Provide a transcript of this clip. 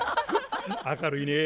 明るいねぇ。